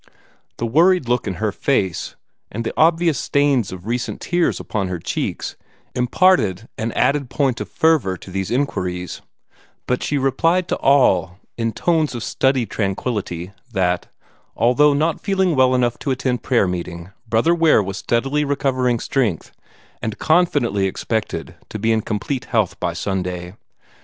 The worried look in her face, and the obvious stains of recent tears upon her cheeks imparted an added point and fervor to these inquiries, but she replied to all in tones of studied tranquillity that, although not feeling well enough to attend prayer meeting, Brother Ware was steadily recovering strength, and confidently expected to be in complete health by Sunday.